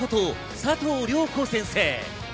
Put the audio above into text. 佐藤涼子先生。